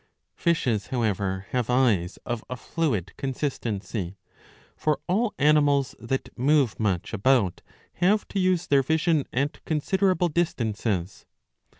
Fishes however have eyes of a fluid con sistency. For all animals that move much about have to use their vision at considerable distances.